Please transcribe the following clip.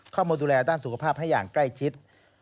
เข้ามาดูแลด้านสุขภาพให้อย่างใกล้ชิด